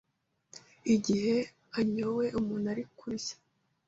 Igihe anyowe umuntu arimo kurya